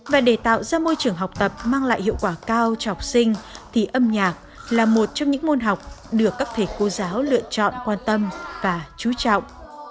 và để tạo ra môi trường học tập mang lại hiệu quả cao cho học sinh thì âm nhạc là một trong những môn học được các thầy cô giáo lựa chọn quan tâm và chú trọng